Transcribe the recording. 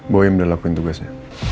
boy yang udah lakuin tugasnya